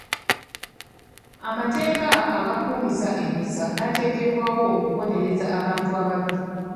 Amateeka agakuumisa empisa gatekebwawo okubonereza abantu ababi.